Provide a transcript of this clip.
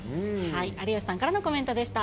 有吉さんからのコメントでした。